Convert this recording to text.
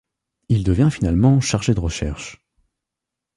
Il devient finalement chargé de recherche.